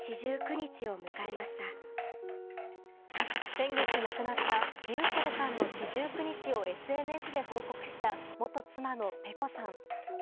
先月亡くなったｒｙｕｃｈｅｌｌさんの四十九日をＳＮＳで報告した、元妻のｐｅｃｏさん。